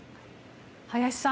林さん